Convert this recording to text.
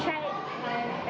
saya mencoba dan berhasil